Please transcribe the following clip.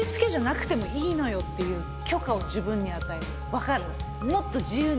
分かる？